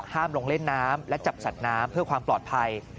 ลงเล่นน้ำและจับสัตว์น้ำเพื่อความปลอดภัย